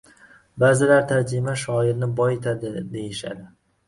Ba’zilar tarjima shoirni boyitadi, deyishadi.